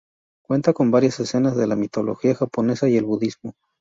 Cuenta con varias escenas de la mitología japonesa y el budismo.